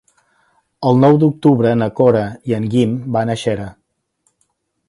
El nou d'octubre na Cora i en Guim van a Xera.